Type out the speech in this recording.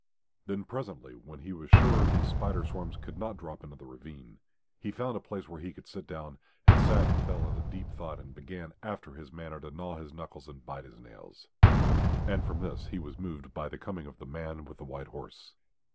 Then presently, when he was surer these spider swarms could not drop into the ravine, he found a place where he could sit down, and sat and fell into deep thought and began after his manner to gnaw his knuckles and bite his nails. And from this he was moved by the coming of the man with the white horse.